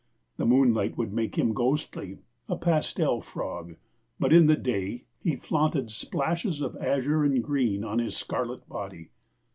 The moonlight would make him ghostly a pastel frog; but in the day he flaunted splashes of azure and green on his scarlet body.